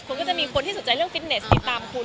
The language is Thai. คุณก็จะมีคนที่สนใจเรื่องฟิตเนสติดตามคุณ